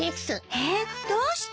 えっどうして？